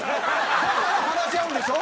だから話し合うんでしょ？